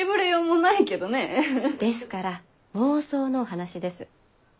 ですから妄想のお話です。